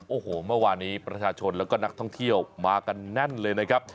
โอ้โหเมื่อวานนี้ประชาชนแล้วก็นักท่องเที่ยวมากันแน่นเลยนะครับ